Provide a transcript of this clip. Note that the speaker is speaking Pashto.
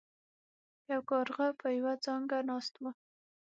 یو کارغه په یوه څانګه ناست و.